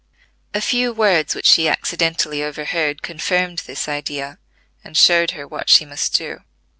A few words which she accidentally overheard confirmed this idea, and showed her what she must do.